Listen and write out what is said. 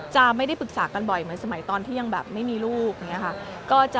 จะไม่ได้ปรึกษากันบ่อยเหมือนสมัยตอนที่ยังแบบไม่มีลูก